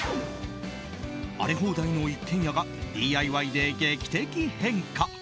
荒れ放題の一軒家がＤＩＹで劇的変化！